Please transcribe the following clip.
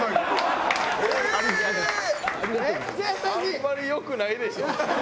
あんまり良くないでしょ。